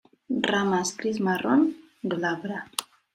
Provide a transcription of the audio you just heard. Ramas gris-marrón, glabra.